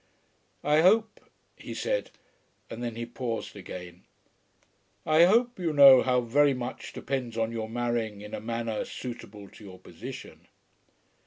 "I hope," he said, and then he paused again; "I hope you know how very much depends on your marrying in a manner suitable to your position."